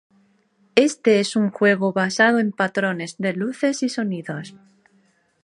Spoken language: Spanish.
Éste es un juego basado en patrones de luces y sonidos.